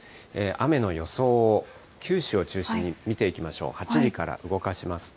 雨の予想を、九州を中心に見ていきましょう。